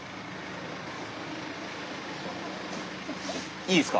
いいっすか？